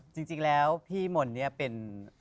จริงแล้วพี่มนต์เนี่ยเป็น